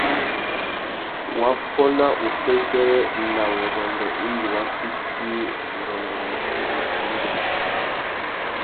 Wa fôna wukêkêrê na wurrôndô indi wa fiti urrôndô MUTU wudjï-mbê.